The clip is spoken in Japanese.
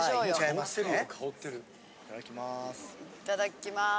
いただきます。